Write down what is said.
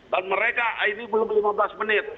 dan mereka ini belum lima belas menit